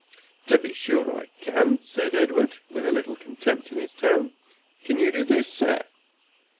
"To be sure I can," said Edward, with a little contempt in his tone. "Can you do this, sir?